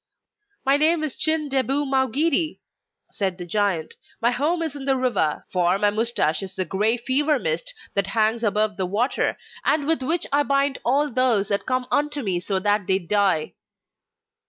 'My name is Chin debou Mau giri,' said the giant. 'My home is in the river, for my moustache is the grey fever mist that hangs above the water, and with which I bind all those that come unto me so that they die.